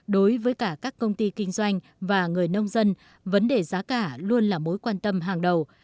đối với cả các công ty kinh doanh và người nông dân vấn đề giá cả luôn là mối quan tâm hàng đầu